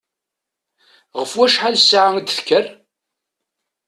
Ɣef wacḥal ssaɛa i d-tekker?